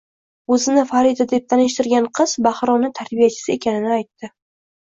O`zini Farida deb tanishtirgan qiz Bahromni tarbiyachisi ekanini aytdi